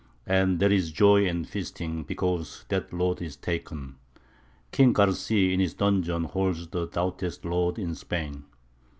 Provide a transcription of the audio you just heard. And there is joy and feasting because that lord is ta'en, King Garci in his dungeon holds the doughtiest lord in Spain.